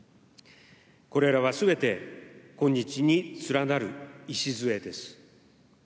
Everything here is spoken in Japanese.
これらはすべて、今日に連なる礎です。